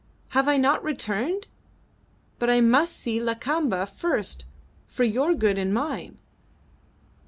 "Have I not returned? But I must see Lakamba first for your good and mine."